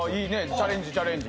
チャレンジチャレンジ。